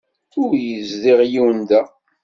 Ur yezdiɣ yiwen da.